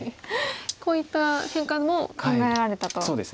こういった展開も考えられたと。